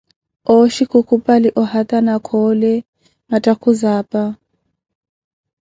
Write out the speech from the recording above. Ooxhi khukhupali ohata Khoole na mattakhuzi apa.